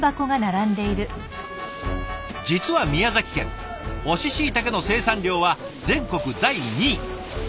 実は宮崎県乾しいたけの生産量は全国第２位。